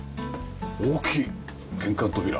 大きい玄関扉。